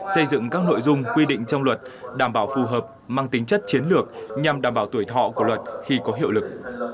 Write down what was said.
xây dựng các nội dung quy định trong luật đảm bảo phù hợp mang tính chất chiến lược nhằm đảm bảo tuổi thọ của luật khi có hiệu lực